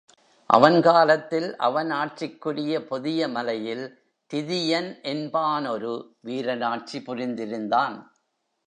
அவன் காலத்தில் அவன் ஆட்சிக்குரிய பொதிய மலையில் திதிய்ன் என்பானொரு வீரன் ஆட்சி புரிந்திருந்தான்.